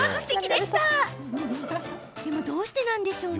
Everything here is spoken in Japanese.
でも、どうしてなんでしょう？